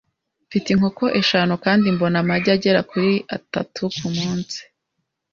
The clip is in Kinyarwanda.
Mfite inkoko eshanu kandi mbona amagi agera kuri atatu kumunsi .